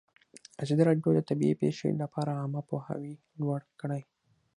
ازادي راډیو د طبیعي پېښې لپاره عامه پوهاوي لوړ کړی.